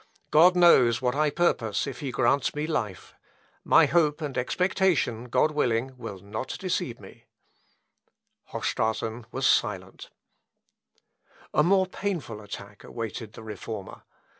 God knows what I purpose if he grants me life. My hope and expectation (God willing) will not deceive me." Hochstraten was silent. Luth., Op. Leip. xvii, p. 140. A more painful attack awaited the Reformer.